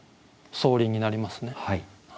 相輪になりますね。